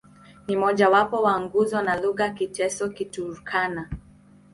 Ni mmojawapo wa nguzo ya lugha za Kiteso-Kiturkana.